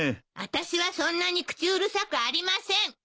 あたしはそんなに口うるさくありません！